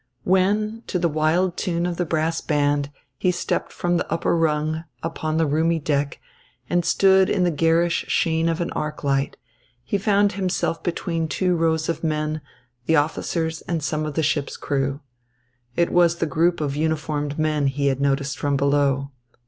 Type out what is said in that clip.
When, to the wild tune of the brass band, he stepped from the upper rung upon the roomy deck, and stood in the garish sheen of an arc light, he found himself between two rows of men, the officers and some of the ship's crew. It was the group of uniformed men he had noticed from below.